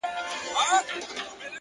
کلونه وسول دا وايي چي نه ځم اوس به راسي